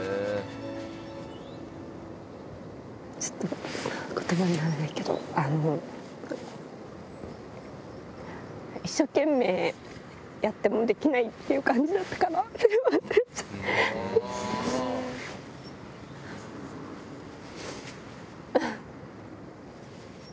ちょっとことばにならないけど、一生懸命やってもできないっていう感じだったから、すみません。